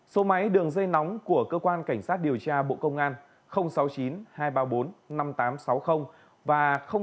số máy đường dây nóng của cơ quan cảnh sát điều tra bộ công an sáu mươi chín hai trăm ba mươi bốn năm nghìn tám trăm sáu mươi và sáu mươi chín hai trăm ba mươi hai một nghìn sáu trăm sáu mươi bảy